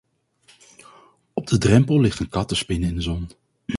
Op de drempel ligt een kat te spinnen in de zon.